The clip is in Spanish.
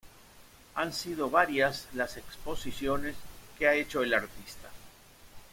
Han sido varias las exposiciones que ha hecho el artista.